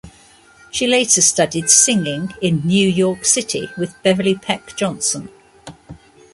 She later studied singing in New York City with Beverley Peck Johnson.